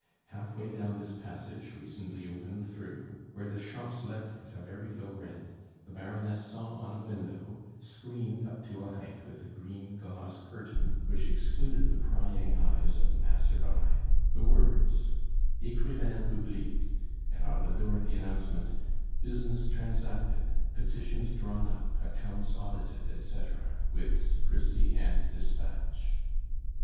Halfway down this passage, recently opened through, where the shops let at a very low rent, the Baroness saw on a window, screened up to a height with a green, gauze curtain, which excluded the prying eyes of the passer by, the words: "ECRIVAIN PUBLIC"; and on the door the announcement: BUSINESS TRANSACTED. Petitions Drawn Up, Accounts Audited, Etc. _With Secrecy and Dispatch.